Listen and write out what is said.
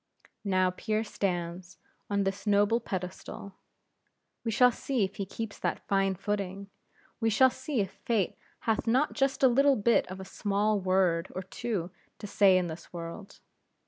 Now Pierre stands on this noble pedestal; we shall see if he keeps that fine footing; we shall see if Fate hath not just a little bit of a small word or two to say in this world.